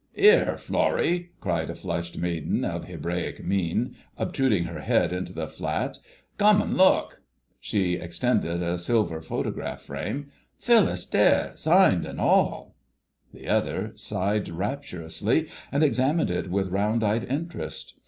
"'Ere, Florrie!" called a flushed maiden of Hebraic mien, obtruding her head into the flat, "come an' look!" She extended a silver photograph frame,—"Phyllis Dare—signed an' all!" The other sighed rapturously and examined it with round eyed interest.